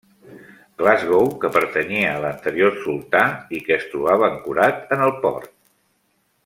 Glasgow que pertanyia a l'anterior sultà i que es trobava ancorat en el port.